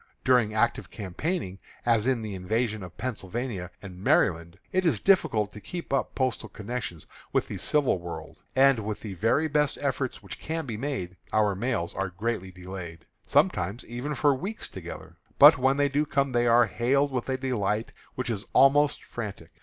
During active campaigning, as in the invasion of Pennsylvania and Maryland, it is difficult to keep up postal connections with the civil world, and, with the very best efforts which can be made, our mails are greatly delayed, sometimes even for weeks together. But when they do come, they are hailed with a delight which is almost frantic.